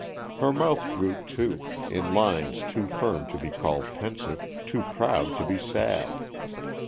Her mouth drooped too, in lines too firm to be called pensive, too proud to be sad.